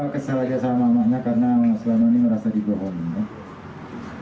kesal aja sama mamanya karena selama ini merasa dibohong